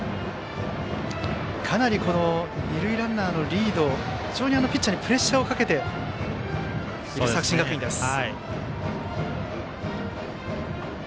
かなり二塁ランナーのリードでピッチャーにプレッシャーをかけている作新学院です。